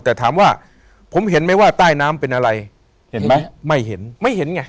แต่ถามว่าผมเห็นไหมว่าใต้น้ำเป็นอะไรเห็นไหมไม่เห็นไม่เห็นไง